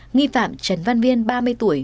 nghi phạm trần văn viên ba mươi tuổi